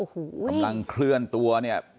กำลังเคลื่อนตัวเนี่ย